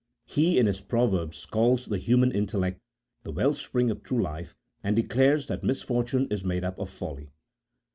He, in his proverbs calls the human intellect the well spring of true life, and declares that misfortune is made up of folly.